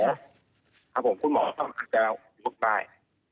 ครับผมคุณหมอบอกว่าอาการจะลงได้